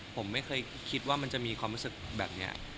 ผมไม่เคยคิดว่ามันจะมีความรู้สึกแบบนี้